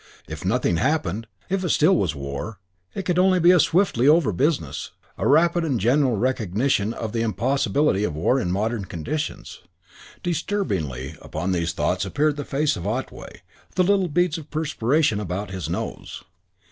If nothing had happened, if it still was war, it could only be a swiftly over business, a rapid and general recognition of the impossibility of war in modern conditions. Disturbingly upon these thoughts appeared the face of Otway, the little beads of perspiration about his nose.